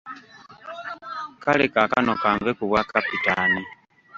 Kale kaakano ka nve ku bwa Kapitaani